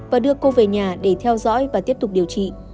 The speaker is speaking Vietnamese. và đưa cô về nhà để theo dõi và tiếp tục điều trị